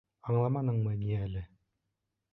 Аңламаныңмы ни әле?